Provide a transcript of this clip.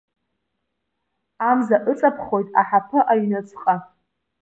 Амза ыҵаԥхоит аҳаԥы аҩныҵҟа.